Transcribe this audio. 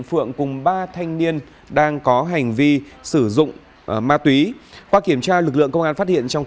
phượng cùng ba thanh niên đang có hành vi sử dụng ma túy qua kiểm tra lực lượng công an phát hiện trong